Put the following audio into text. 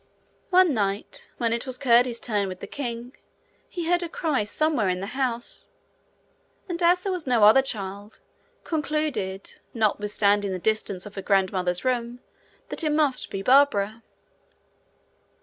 One night, when it was Curdie's turn with the king, he heard a cry somewhere in the house, and as there was no other child, concluded, notwithstanding the distance of her grandmother's room, that it must be Barbara.